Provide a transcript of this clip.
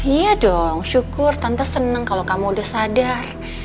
iya dong syukur tante seneng kalo kamu udah sadar